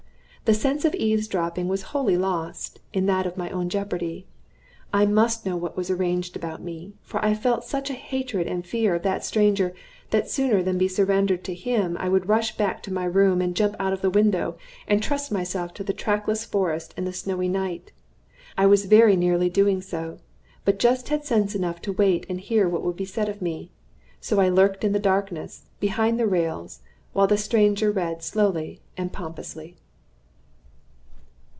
The sense of eavesdropping was wholly lost, in that of my own jeopardy. I must know what was arranged about me; for I felt such a hatred and fear of that stranger that sooner than be surrendered to him I would rush back to my room and jump out of the window, and trust myself to the trackless forest and the snowy night. I was very nearly doing so, but just had sense enough to wait and hear what would be said of me. So I lurked in the darkness, behind the rails, while the stranger read slowly and pompously.